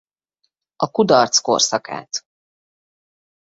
A kudarc korszakát.